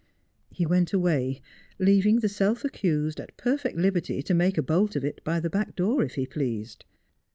He went away, leaving the self accused at perfect liberty to make a bolt of it by the back door if he pleased.